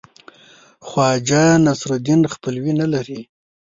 خواجه نصیرالدین خپلوي نه لري.